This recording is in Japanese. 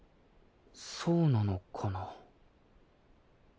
そうなのかな。